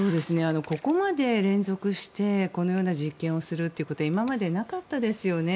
ここまで連続してこのような実験をするというのは今までなかったですよね。